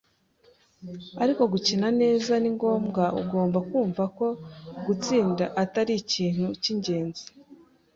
Ariko, gukina neza ni ngombwa. Ugomba kumva ko gutsinda atari ikintu cyingenzi.